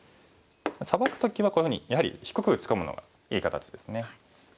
サバく時はこういうふうにやはり低く打ち込むのがいい形ですね。